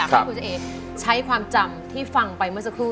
ขอให้เจ๊ไอ่ใช้ความจำที่ฟังไป